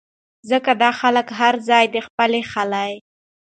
ځکه دا خلک هر ځائے د خپلې خلې